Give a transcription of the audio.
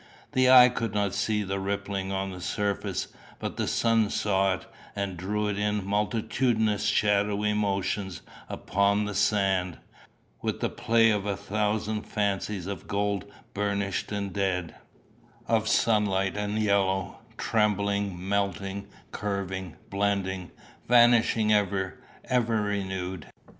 The eye could not see the rippling on the surface; but the sun saw it, and drew it in multitudinous shadowy motion upon the sand, with the play of a thousand fancies of gold burnished and dead, of sunlight and yellow, trembling, melting, curving, blending, vanishing ever, ever renewed.